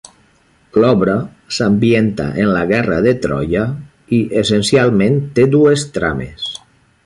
L'obra s'ambienta en la guerra de Troia, i essencialment té dues trames.